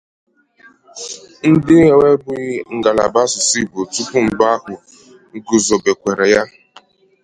Ndị enwebụghị ngalaba asụsụ Igbo tupu mgbe ahụ gùzòbèkwàzịrị ya